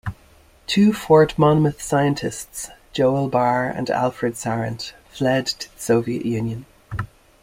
Two Fort Monmouth scientists, Joel Barr and Alfred Sarant, fled to the Soviet Union.